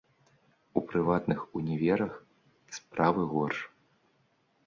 У прыватных універах справы горш.